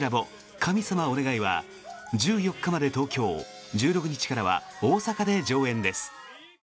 「神様お願い」は１４日まで東京１６日からは大阪で上演です。